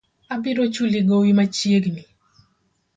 Abiro chuli gowi machiegni